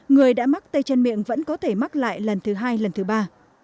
người đã mắc tay chân miệng vẫn có thể mắc lại lần thứ hai lần thứ ba